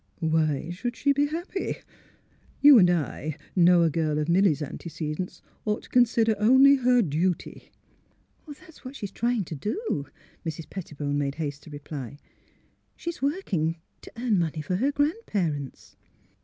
Why should she be happy? You and I know a girl of Milly 's antecedents ought to consider only her duty." " That's what she's trying to do," Mrs. Petti bone made haste to reply. " She's working to earn money for her grandparents."